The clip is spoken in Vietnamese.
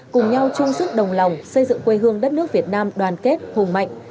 cùng nhau chung sức đồng lòng xây dựng quê hương đất nước việt nam đoàn kết hùng mạnh